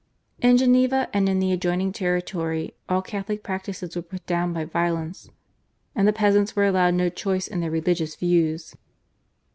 In Geneva and in the adjoining territory all Catholic practices were put down by violence, and the peasants were allowed no choice in their religious views.